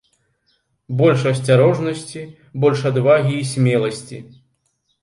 Больш асцярожнасці, больш адвагі і смеласці.